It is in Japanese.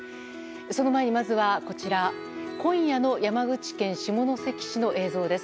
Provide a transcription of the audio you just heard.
その前にまずは今夜の山口県下関市の映像です。